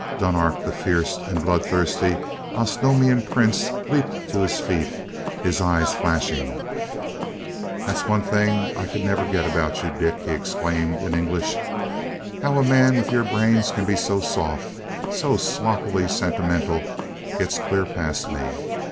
Dunark, the fierce and bloodthirsty Osnomian prince, leaped to his feet, his eyes flashing. "That's one thing I never could get about you, Dick!" he exclaimed in English. "How a man with your brains can be so soft so sloppily sentimental, gets clear past me.